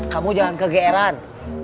kamu jangan kegeeran